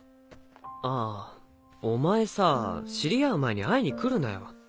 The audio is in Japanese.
ああお前さ知り合う前に会いに来るなよ。